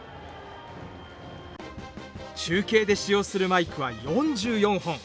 中継で使用するマイクは４４本。